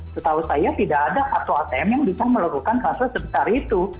setahu saya tidak ada satu atm yang bisa melakukan kasus sebesar itu